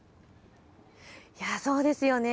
そうですよね。